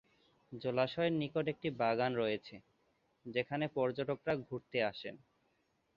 জলাশয়ের নিকটে একটি বাগান রয়েছে, যেখানে পর্যটকরা ঘুরতে আসেন।